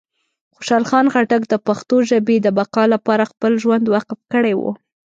خوشحال خان خټک د پښتو ژبې د بقا لپاره خپل ژوند وقف کړی و.